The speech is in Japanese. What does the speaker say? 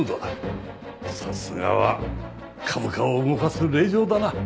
さすがは株価を動かす令嬢だな。